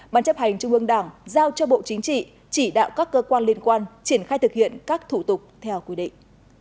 ban chấp hành trung ương đảng giao cho bộ chính trị chỉ đạo các cơ quan liên quan triển khai thực hiện các thủ tục theo quy định